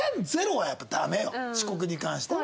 遅刻に関しては。